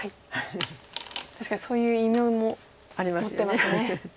確かにそういう異名も持ってますね。